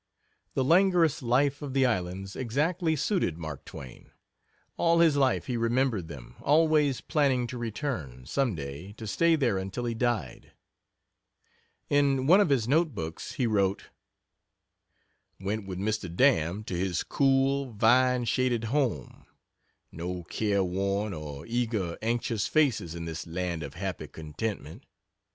The languorous life of the islands exactly suited Mask Twain. All his life he remembered them always planning to return, some day, to stay there until he died. In one of his note books he wrote: "Went with Mr. Dam to his cool, vine shaded home; no care worn or eager, anxious faces in this land of happy contentment.